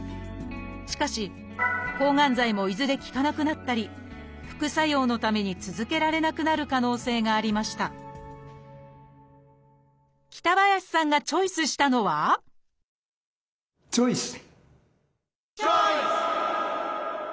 しかし抗がん剤もいずれ効かなくなったり副作用のために続けられなくなる可能性がありました北林さんがチョイスしたのはチョイス！